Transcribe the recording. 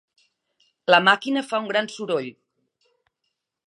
La màquina fa un gran soroll.